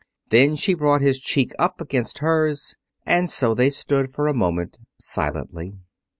Then she brought his cheek up against hers. And so they stood for a moment, silently.